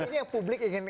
ini yang publik ingin